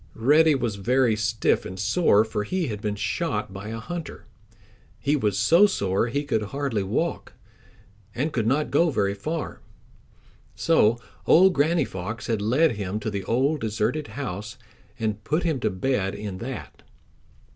Reddy was very stiff and sore, for he had been shot by a hunter. He was so sore he could hardly walk, and could not go very far. So old Granny Fox had led him to the old deserted house and put him to bed in that.